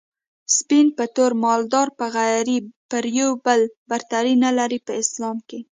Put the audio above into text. سپين په تور مالدار په غريب پر يو بل برتري نلري په اسلام کي